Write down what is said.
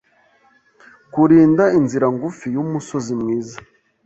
Kurinda inzira ngufi yumusozi mwiza